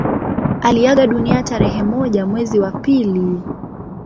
Aliaga dunia tarehe moja mwezi wa pili